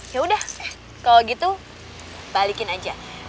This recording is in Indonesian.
ya udah kalau gitu balikin aja